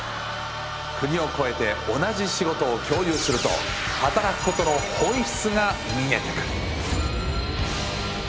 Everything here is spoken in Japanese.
国を超えて同じ仕事を共有すると働くことの本質が見えてくる。